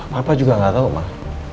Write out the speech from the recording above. papa juga gak tau mah